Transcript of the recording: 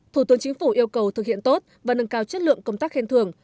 thủ tướng chính phủ yêu cầu thực hiện tốt và nâng cao chất lượng công tác khen thường